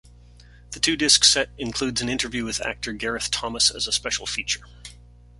The two-disc set includes an interview with actor Gareth Thomas as a special feature.